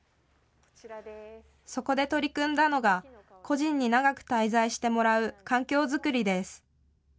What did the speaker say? そこで取り組んだのが、個人に長く滞在してもらう環境作りです。